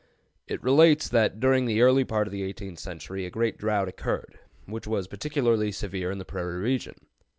It relates that during the early part of the eighteenth century a great drought occurred, which was particularly severe in the prairie region.